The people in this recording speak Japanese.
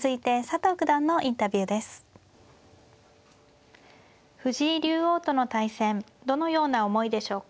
藤井竜王との対戦どのような思いでしょうか。